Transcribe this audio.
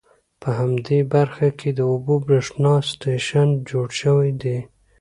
په همدې برخه کې د اوبو د بریښنا سټیشن جوړ شوي دي.